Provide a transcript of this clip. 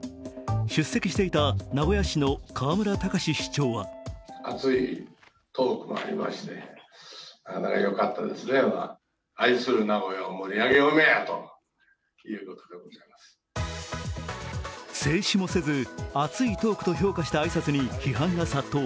出席していた名古屋市の河村たかし市長は制止もせず熱いトークと評価した挨拶に批判が殺到。